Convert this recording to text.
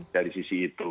dari sisi itu